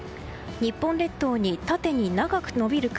日本列島に縦に長く延びる雲